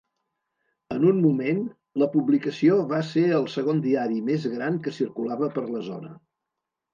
En un moment, la publicació va ser el segon diari més gran que circulava per la zona.